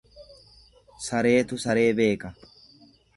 Sareetu saree beeka.